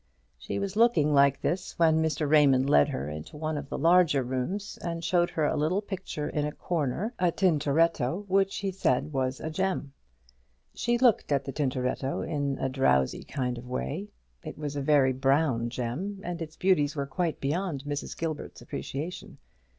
She was looking like this when Mr. Raymond led her into one of the larger rooms, and showed her a little picture in a corner, a Tintoretto, which he said was a gem. She looked at the Tintoretto in a drowsy kind of way. It was a very brown gem, and its beauties were quite beyond Mrs Gilbert's appreciation.